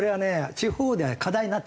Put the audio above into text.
地方で課題になってて。